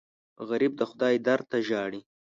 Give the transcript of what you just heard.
غریب د خدای در ته ژاړي